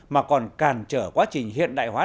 mà còn càn trở quá trình hiện đại hóa